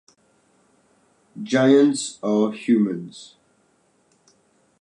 Giants are humans.